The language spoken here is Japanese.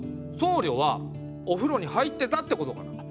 僧侶はお風呂に入ってたってことかな？